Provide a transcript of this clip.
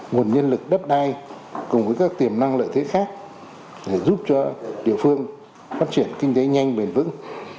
nguồn nhân lực đất đai cùng với các tiềm năng lợi thế khác để giúp cho địa phương phát triển kinh tế nhanh bền vững